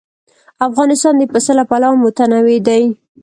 افغانستان د پسه له پلوه متنوع دی.